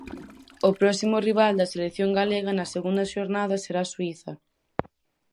O próximo rival da selección galega, na segunda xornada, será Suíza.